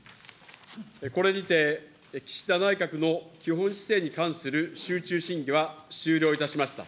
これにて、岸田内閣の基本姿勢に関する集中審議は終了いたしました。